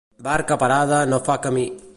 Barca parada no fa camí.